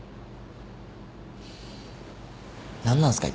何なんすか？